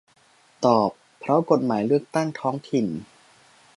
ตอบ เพราะกฎหมายเลือกตั้งท้องถิ่น